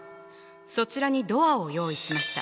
そちらにドアを用意しました。